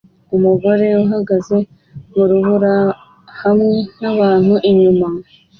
Umugore uhagaze mu rubura hamwe nabantu inyuma